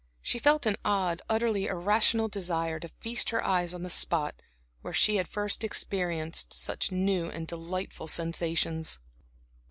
She felt an odd, utterly irrational desire to feast her eyes on the spot where she had first experienced such new and delightful sensations.